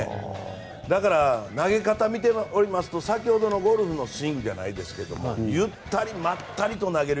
だから、投げ方を見ていると先ほどのゴルフのスイングじゃないですけどゆったりまったりと投げる。